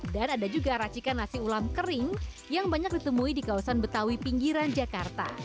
dan ada juga racikan nasi ulam kering yang banyak ditemui di kawasan betawi pinggiran jakarta